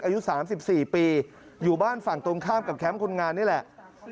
อายุ๓๔ปีอยู่บ้านฝั่งตรงข้ามกับแคมป์คนงานนี่แหละ